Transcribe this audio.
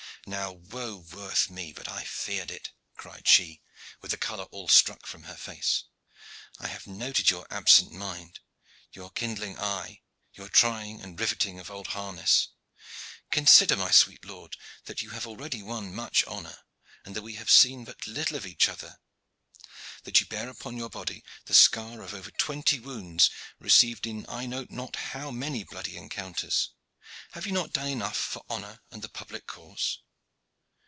"Now woe worth me but I feared it!" cried she, with the color all struck from her face. "I have noted your absent mind, your kindling eye, your trying and riveting of old harness. Consider my sweet lord, that you have already won much honor, that we have seen but little of each other, that you bear upon your body the scar of over twenty wounds received in I know not how many bloody encounters. Have you not done enough for honor and the public cause?"